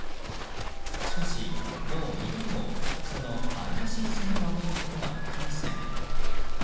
しかし、もう二度とその愛らしい姿を見ることはできません。